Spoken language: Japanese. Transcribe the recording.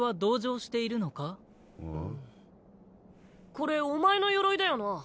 これお前の鎧だよな。